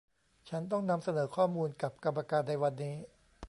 ฉันต้องนำเสนอข้อมูลกับกรรมการในวันนี้